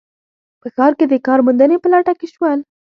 په ښار کې د کار موندنې په لټه کې شول